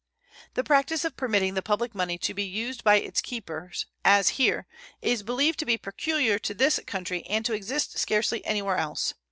The practice of permitting the public money to be used by its keepers, as here, is believed to be peculiar to this country and to exist scarcely anywhere else.